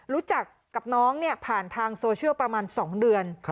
รู้จักกับน้องผ่านทางโซเชียลประมาณ๒เดือน